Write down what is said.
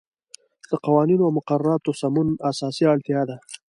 د قوانینو او مقرراتو سمون اساسی اړتیا ده.